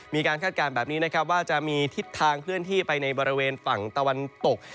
คาดการณ์แบบนี้นะครับว่าจะมีทิศทางเคลื่อนที่ไปในบริเวณฝั่งตะวันตก